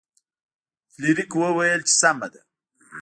فلیریک وویل چې سمه ده.